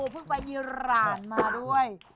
เพื่อประยรหานมาด้วย